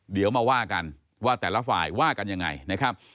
เดี๋ยวมาว่ากันว่าแต่ละฝ่ายว่ากันยังไงนะครับ